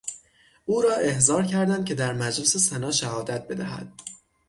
او را احضار کردند که در مجلس سنا شهادت بدهد.